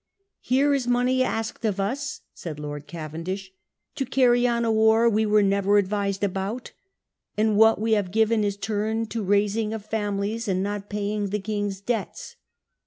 1 Here is money asked of us,' said Lord Cavendish, 1 to carry on a war we were never advised about ; and what we have given is turned to raising of families and not paying the King's debts.